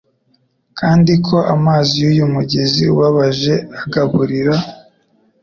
kandi ko amazi yuyu mugezi ubabaje agaburira